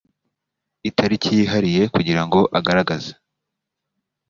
itariki yihariye kugira ngo agaragaze